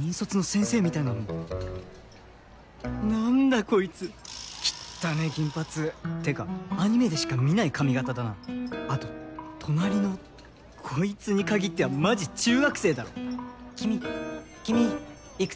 引率の先生みたいなのも何だこいつきったねえ金髪ってかアニメでしか見ない髪型だなあと隣のこいつに限ってはマジ中学生だろ君君いくつ？